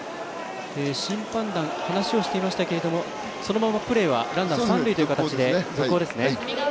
審判団、話をしていましたがそのままプレーはランナー三塁という形で続行ですね。